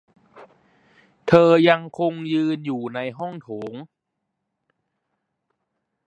เธอยังคงยืนอยู่ในห้องโถง